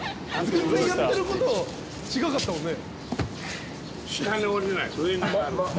全然やってること違かったもんね。